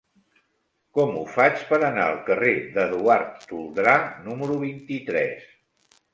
Com ho faig per anar al carrer d'Eduard Toldrà número vint-i-tres?